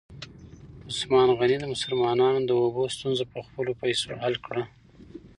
عثمان غني د مسلمانانو د اوبو ستونزه په خپلو پیسو حل کړه.